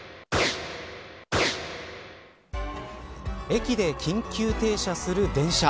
駅で緊急停車する電車。